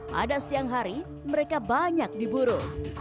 pada siang hari mereka banyak diburu